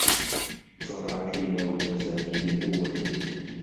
صفعت ليلى وجه سامي بقوّة.